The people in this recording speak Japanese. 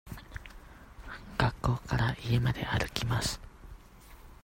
学校から家まで歩きます。